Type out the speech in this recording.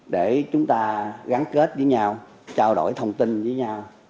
để chúng ta gắn kết với nhau trao đổi thông tin với nhau